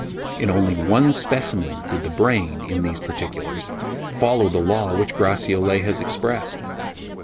In only one specimen did the brain, in these particulars, follow the law which Gratiolet has expressed.